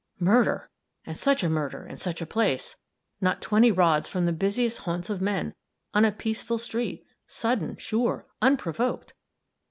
Murder! and such a murder in such a place! not twenty rods from the busiest haunts of men, on a peaceful street sudden, sure, unprovoked!